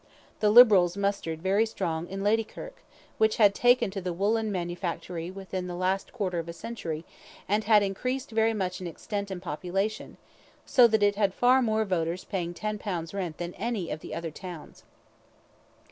The Liberals mustered very strong in Ladykirk, which had taken to the woollen manu factory within the last quarter of a century, and had increased very much in extent and population, so that it had far more voters paying 10 pounds rent than any of the other towns.